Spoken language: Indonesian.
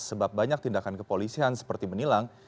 sebab banyak tindakan kepolisian seperti menilang